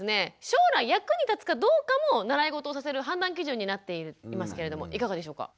将来役に立つかどうかも習いごとをさせる判断基準になっていますけれどもいかがでしょうか？